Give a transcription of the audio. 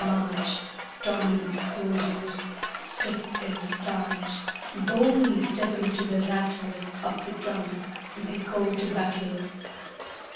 March Tommy's soldiers, stiff and starch, Boldly stepping to the rattle Of the drums, they go to battle.